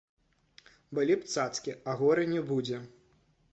Былі б цацкі, а гора не будзе.